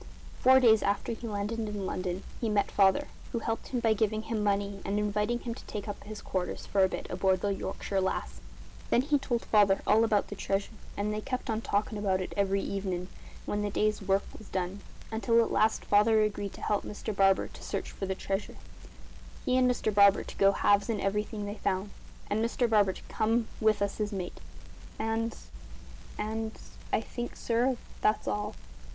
Four days after he landed in London he met Father, who helped him by giving him money and inviting him to take up his quarters, for a bit, aboard the Yorkshire Lass. Then he told Father all about the treasure, and they kept on talkin' about it every evenin', when the day's work was done, until at last Father agreed to help Mr Barber to search for the treasure, he and Mr Barber to go halves in everything they found, and Mr Barber to come with us as mate. And and I think, sir, that's all."